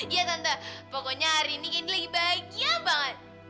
iya tante pokoknya hari ini kendi lagi bahagia banget